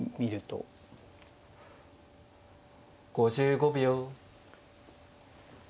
５５秒。